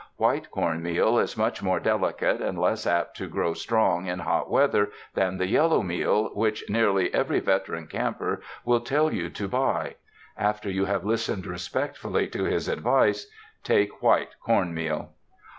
White corn meal is much more delicate and less apt to grow strong in hot weather than the yellow meal, which nearly every veteran camper will tell you to buy. After you have listened respectfully to his advice, take white corn meal.